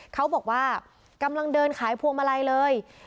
เขาบอกว่ากำลังเดินขายพวงมาลัยเลย